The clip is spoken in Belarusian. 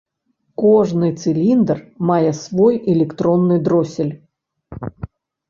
Кожны цыліндр мае свой электронны дросель.